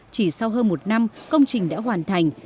chỉ sau hơn một năm công trình đã hoàn thành